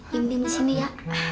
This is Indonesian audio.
bimbing di sini ya